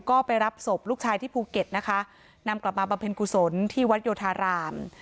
ก็ไปรับศพลูกชายที่ภูเก็ตนะคะนำกลับมาบำเพ็ญกุศลที่วัดโยธาราม